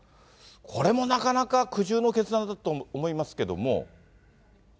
これもなかなか苦渋の決断だと思いますけれども。